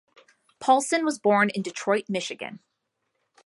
Paulsen was born in Detroit, Michigan.